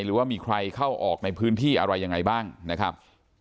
หรือว่ามีใครเข้าออกในพื้นที่อะไรยังไงบ้างนะครับ